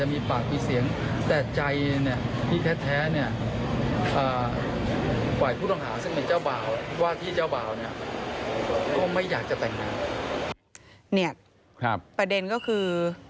เนี่ยประเด็นก็คือ